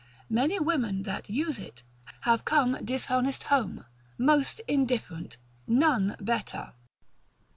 Many women that use it, have come dishonest home, most indifferent, none better.